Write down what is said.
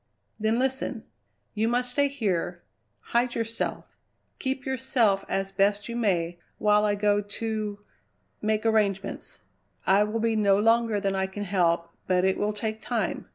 "Then listen! You must stay here, hide yourself, keep yourself as best you may, while I go to make arrangements. I will be no longer than I can help, but it will take time.